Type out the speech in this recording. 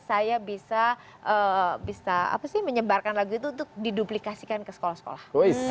saya bisa menyebarkan lagu itu untuk diduplikasikan ke sekolah sekolah